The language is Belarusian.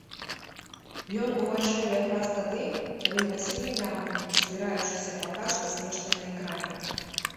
Ён увайшоў якраз тады, калі гасілі лямпы, збіраючыся паказваць нешта на экране.